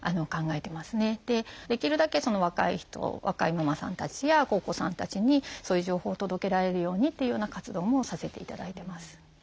できるだけ若い人若いママさんたちやお子さんたちにそういう情報を届けられるようにっていうような活動もさせていただいてます。